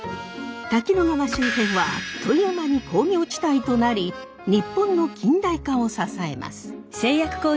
滝野川周辺はあっという間に工業地帯となり日本の近代化を支えます。